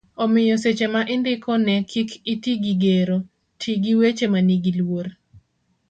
omiyo seche ma indiko ne kik iti gi gero, ti gi weche manigi luor